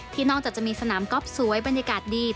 นอกจากจะมีสนามก๊อฟสวยบรรยากาศดี